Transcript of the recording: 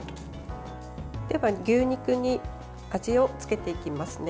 では牛肉に味をつけていきますね。